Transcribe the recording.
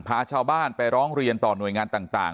พาชาวบ้านไปร้องเรียนต่อหน่วยงานต่าง